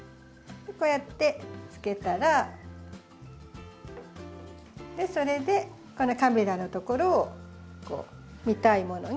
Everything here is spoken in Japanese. こうやってつけたらそれでこのカメラのところをこう見たいものに。